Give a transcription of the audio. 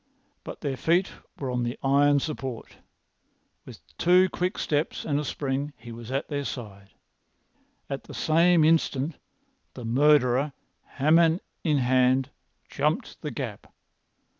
But their feet were on the iron[Pg 254] support. With two quick steps and a spring he was at their side. At the same instant the murderer, hammer in hand, jumped the gap.